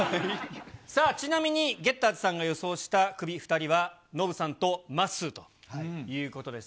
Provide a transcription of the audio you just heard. さあ、ちなみにゲッターズさんが予想したクビ２人は、ノブさんとまっすーということでした。